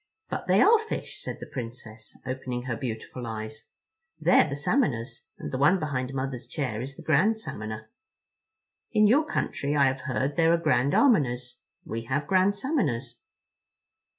"But they are fish," said the Princess, opening her beautiful eyes; "they're the Salmoners, and the one behind Mother's chair is the Grand Salmoner. In your country I have heard there are Grand Almoners. We have Grand Salmoners."